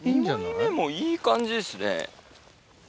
２枚目もいい感じですね。